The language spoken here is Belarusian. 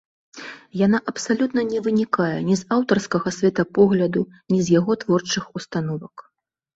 Яна абсалютна не вынікае ні з аўтарскага светапогляду, ні з яго творчых установак.